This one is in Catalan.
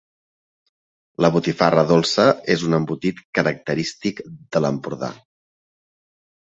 La botifarra dolça és un embotit característic de l'Empordà.